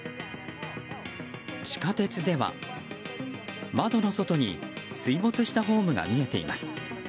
地下鉄では、窓の外に水没したホームが見えています。